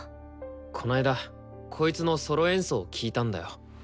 この間こいつのソロ演奏を聴いたんだよ。